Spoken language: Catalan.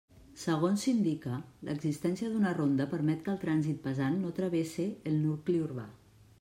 Segons s'indica, l'existència d'una ronda permet que el trànsit pesant no travesse el nucli urbà.